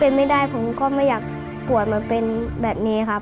เป็นไม่ได้ผมก็ไม่อยากป่วยมาเป็นแบบนี้ครับ